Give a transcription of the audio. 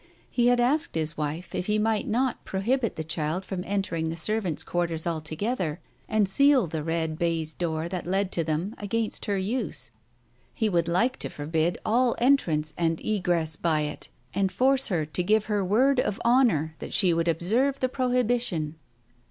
He had asked his wife if he might not prohibit the child from entering the servants' quarters altogether, and seal the red baize door that led to them against her use. He would like to forbid all Digitized by Google THE TIGER SKIN 281 entrance and egress by it, and force her to give her word of honour that she would observe the prohibition.